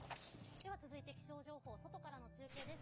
では続いて気象情報、外からの中継です。